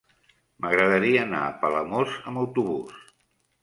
M'agradaria anar a Palamós amb autobús.